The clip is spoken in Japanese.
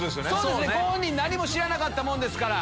ご本人何も知らなかったもんですから。